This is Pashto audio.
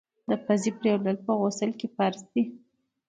د پزي پرېولل په غسل کي فرض دي.